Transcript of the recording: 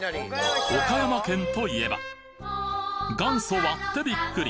岡山県といえば元祖割ってビックリ